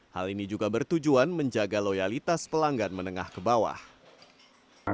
hal ini juga bertujuan menjaga loyalitas pelanggan menengah kebanggaan